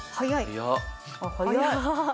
早っ！